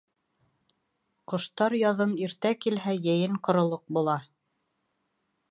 Ҡоштар яҙын иртә килһә, йәйен ҡоролоҡ була.